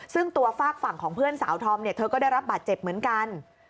ซึ่งตัวฝากฝั่งของเพื่อนสาวธอมเนี่ยเธอก็ได้รับบาดเจ็บเหมือนกัน